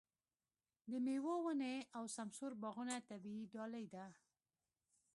د مېوو ونې او سمسور باغونه طبیعي ډالۍ ده.